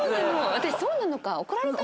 私そうなのか。